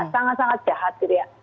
sangat sangat jahat gitu ya